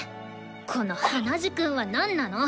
この鼻血くんはなんなの？